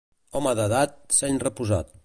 Home d'edat, seny reposat.